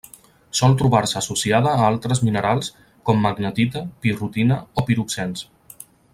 Sol trobar-se associada a altres minerals com: magnetita, pirrotina o piroxens.